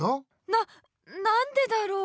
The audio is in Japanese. ななんでだろう